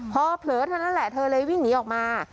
พอเผลอเท่านั้นแหละเธอเลยวิ่งหนีออกมา